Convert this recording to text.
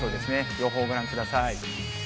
予報をご覧ください。